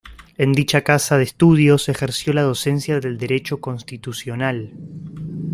En dicha casa de estudios ejerció la docencia del Derecho Constitucional.